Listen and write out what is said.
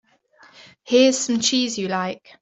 Here's some cheese you like.